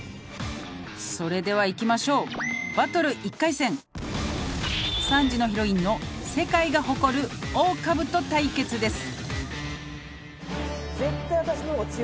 「それではいきましょうバトル１回戦」「３時のヒロインの世界が誇るオオカブト対決です」